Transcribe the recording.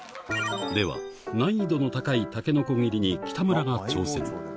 では、難易度の高いタケノコ切りに、北村が挑戦。